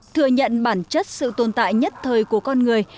thừa nhận bản chất sự tồn tại nhất thời của con người